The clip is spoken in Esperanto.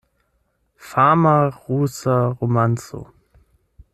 Fama rusa romanco.